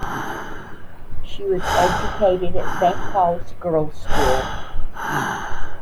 She was educated at Saint Paul's Girls' School.